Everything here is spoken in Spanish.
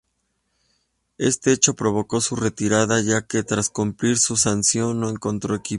Este hecho provocó su retirada ya que tras cumplir su sanción no encontró equipo.